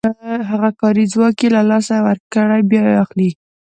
هغه کاري ځواک چې له لاسه یې ورکړی بیا اخلي